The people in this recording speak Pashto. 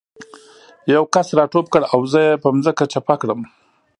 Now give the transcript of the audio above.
یو کس را ټوپ کړ او زه یې په ځمکه چپه کړم